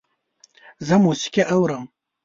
زه موسیقی اورم